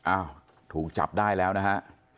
อ้าวถูกจับได้แล้วนะฮะ